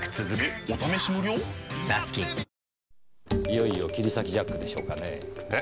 いよいよ切り裂きジャックでしょうかね。